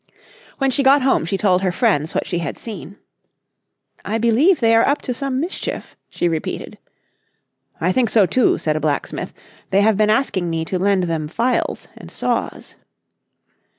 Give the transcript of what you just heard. When she got home she told her friends what she had seen. "I believe they are up to some mischief," she repeated. "I think so too," said a blacksmith, "they have been asking me to lend them files and saws."